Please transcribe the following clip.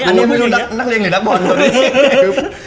อันนี้ไม่รู้นักเลงหรือนักบอลตอนนี้